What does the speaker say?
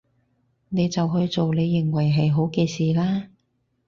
你就去做你認為係好嘅事啦